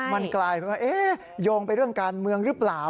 มันกลายเป็นว่าโยงไปเรื่องการเมืองหรือเปล่า